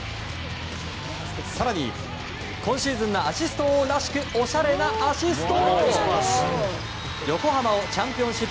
更に今シーズンのアシスト王らしくおしゃれなアシスト！